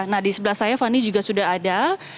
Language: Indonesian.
nah di sebelah saya fani juga sudah ada